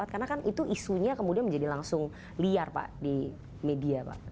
karena kan itu isunya kemudian menjadi langsung liar pak di media